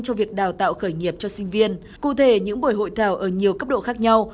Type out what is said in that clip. cho việc đào tạo khởi nghiệp cho sinh viên cụ thể những buổi hội thảo ở nhiều cấp độ khác nhau